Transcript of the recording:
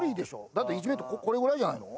だって１ｍこれぐらいじゃないの？